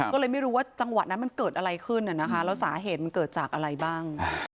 ก็เลยไม่รู้ว่าจังหวะนั้นมันเกิดอะไรขึ้นแล้วสาเหตุมันเกิดจากอะไรบ้าง